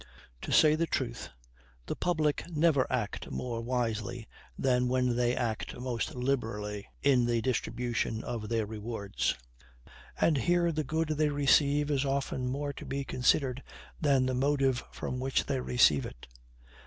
To say the truth, the public never act more wisely than when they act most liberally in the distribution of their rewards; and here the good they receive is often more to be considered than the motive from which they receive it.